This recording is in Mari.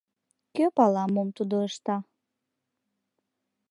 Кӧ пала, мом тудо ышта.